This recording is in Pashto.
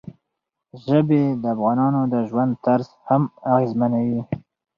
ژبې د افغانانو د ژوند طرز هم اغېزمنوي.